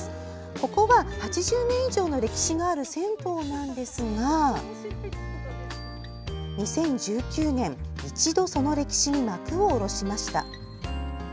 ここは、８０年以上の歴史がある銭湯なんですが２０１９年、一度その歴史に幕を下ろしました。